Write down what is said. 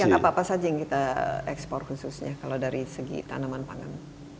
yang apa apa saja yang kita ekspor khususnya kalau dari segi tanaman pangan